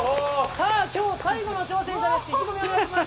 今日最後の挑戦者です。